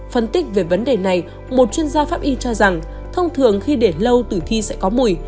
phân tích về vấn đề này một chuyên gia pháp y cho rằng thông thường khi để lâu từ thi sẽ có mùi